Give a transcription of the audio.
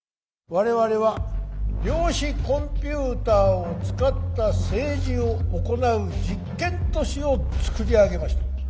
我々は量子コンピューターを使った政治を行う実験都市を造り上げました。